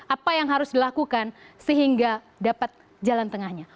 apa yang harus dilakukan sehingga dapat jalan tengahnya